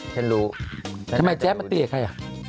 ทำไมแจ๊ดมาตีกละ